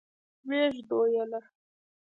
ويې ژدويله.